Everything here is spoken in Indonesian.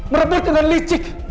merebut dengan licik